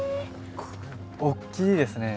おっきいですね。